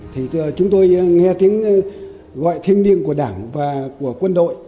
thì chúng tôi nghe tiếng gọi thiên niên của đảng và của quân đội